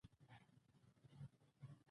ځنګلونه د چاپېریال د ساتنې لپاره مهم دي